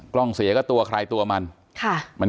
เสียก็ตัวใครตัวมัน